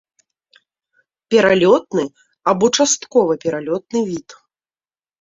Пералётны або часткова пералётны від.